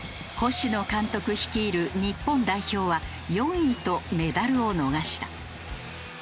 星野監督率いる日本代表は４位とメダルを逃した。